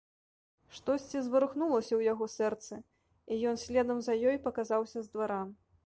Штосьці зварухнулася ў яго сэрцы, і ён следам за ёй паказаўся з двара.